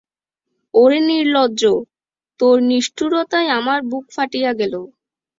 ওরে নির্লজ্জ, তোর নিষ্ঠুরতায় আমার বুক ফাটিয়া গেল।